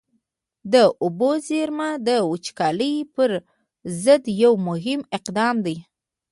د اوبو زېرمه د وچکالۍ پر ضد یو مهم اقدام دی.